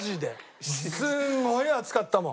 すんごい暑かったもん。